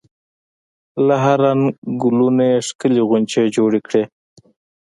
له هر رنګ ګلونو یې ښکلې غونچې جوړې کړي.